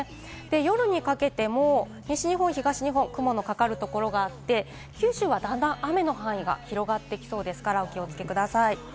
夜にかけても西日本、東日本、雲のかかるところがあって、九州はだんだん雨の範囲が広がってきそうですから、お気をつけください。